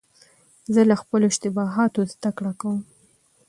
زه له خپلو اشتباهاتو زدهکړه کوم.